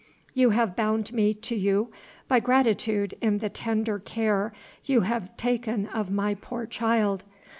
You have bound me to you by gratitude in the tender care you have taken of my poor child.